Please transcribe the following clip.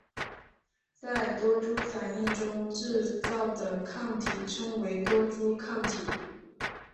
在多株反应中制造的抗体称为多株抗体。